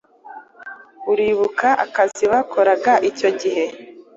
uribuka akazi bakoraga icyo gihe